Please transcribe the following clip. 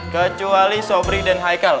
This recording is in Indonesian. kecuali sobri dan haikal